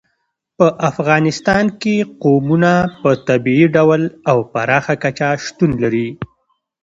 په افغانستان کې قومونه په طبیعي ډول او پراخه کچه شتون لري.